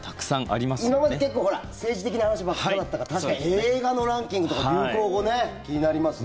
今まで結構政治的な話ばっかりだったから確かに映画のランキングとか流行語ね、気になります。